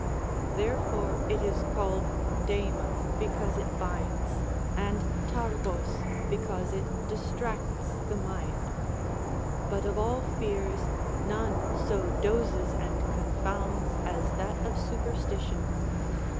Therefore it is called δεΐμα because it hinds, and τύηβο^' because it distracts the mind.* But of all fears, none so dozes and confounds as that of superstition.